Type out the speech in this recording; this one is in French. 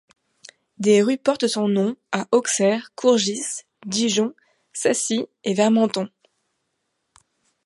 Des rues portent son nom à Auxerre, Courgis, Dijon, Sacy et Vermenton.